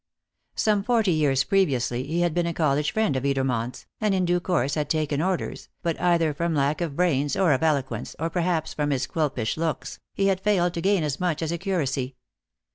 Some forty years previously he had been a college friend of Edermont's, and in due course had taken orders, but either from lack of brains, or of eloquence, or perhaps from his Quilpish looks, he had failed to gain as much as a curacy.